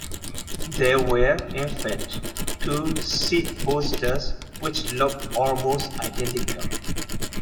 There were, in fact, two "Seed" posters, which look almost identical.